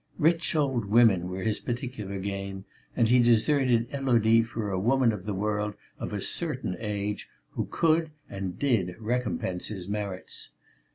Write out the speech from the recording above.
Rich old women were his particular game, and he deserted Élodie for a woman of the world of a certain age who could and did recompense his merits.